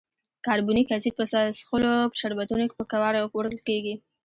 کاربونیک اسید په څښلو په شربتونو کې په کار وړل کیږي.